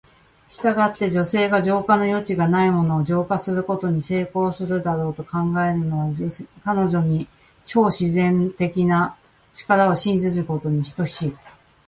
したがって、女性が浄化の余地がないものを浄化することに成功するだろうと考えるのは、彼女に超自然的な力を信じることに等しい。